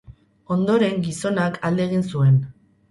Ondoren, gizonak alde egin zuen.